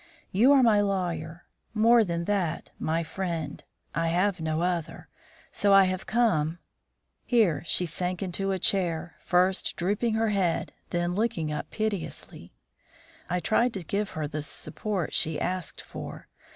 You are my lawyer; more than that, my friend I have no other so I have come " Here she sank into a chair, first drooping her head, then looking up piteously. I tried to give her the support she asked for.